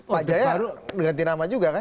pak jaya harus ganti nama juga kan